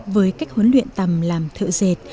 với cách huấn luyện tầm làm thợ dệt